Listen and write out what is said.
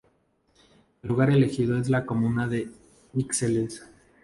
El lugar elegido es la comuna de Ixelles.